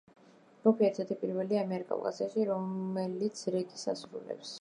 ჯგუფი ერთ-ერთ პირველია ამიერკავკასიაში, რომელიც რეგის ასრულებს.